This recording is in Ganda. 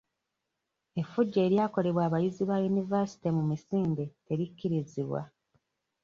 Effujjo eryakolebwa abayizi ba yunivaasite mu misinde terikkirizibwa.